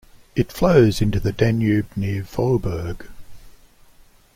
It flows into the Danube near Vohburg.